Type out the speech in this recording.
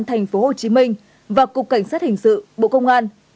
tp hcm và cục cảnh sát hình sự bộ công an